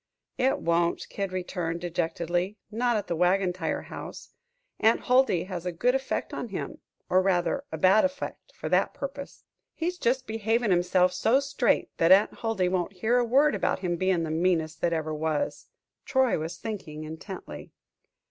"It won't," Kid returned, dejectedly; "not at the Wagon Tire House. Aunt Huldy has a good effect on him or rather, bad effect, for that purpose. He's jest behavin' himself so straight, that Aunt Huldy won't hear a word about him bein' the meanest that ever was." Troy was thinking intently.